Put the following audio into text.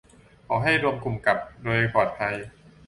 ขอให้รวมกลุ่มกลับโดยปลอดภัย